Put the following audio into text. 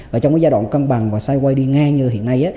và trong cái giai đoạn cân bằng và xoay quay đi ngang như hiện nay